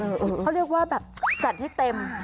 เขาเรียกว่าจัดที่เต็ม